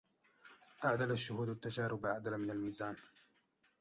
أعدل الشهود التجارب أعدل من الميزان